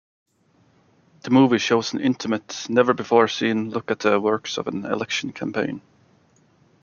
The movie shows an intimate, never-before-seen look at the works of an election campaign.